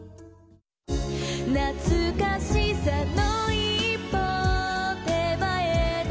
「懐かしさの一歩手前で」